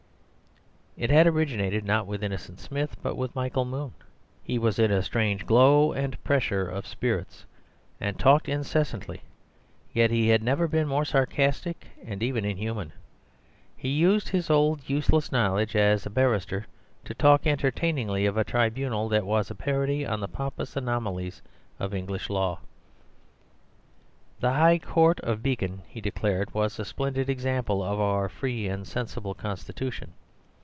It had originated, not with Innocent Smith, but with Michael Moon. He was in a strange glow and pressure of spirits, and talked incessantly; yet he had never been more sarcastic, and even inhuman. He used his old useless knowledge as a barrister to talk entertainingly of a tribunal that was a parody on the pompous anomalies of English law. The High Court of Beacon, he declared, was a splendid example of our free and sensible constitution.